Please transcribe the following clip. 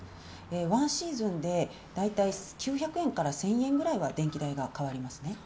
ワンシーズンで大体９００円から１０００円ぐらいは電気代が変わりますね。